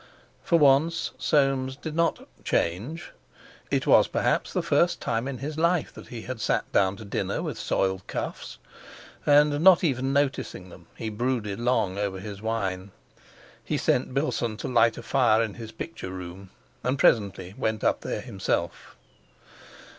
For once Soames did not "change"; it was, perhaps, the first time in his life that he had sat down to dinner with soiled cuffs, and, not even noticing them, he brooded long over his wine. He sent Bilson to light a fire in his picture room, and presently went up there himself.